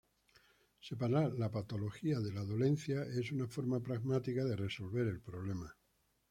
Separar la "patología" de la "dolencia" es una forma pragmática de resolver el problema.